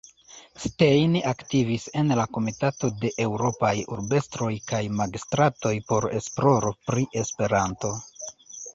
Stein aktivis en la Komitato de eŭropaj urbestroj kaj magistratoj por esploro pri Esperanto.